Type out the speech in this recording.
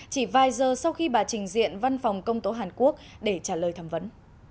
chỉ vài giờ sau khi bà trình diện văn phòng công tố hàn quốc để trả lời thẩm vấn